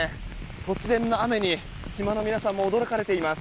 突然の雨に島の皆さんも驚かれています。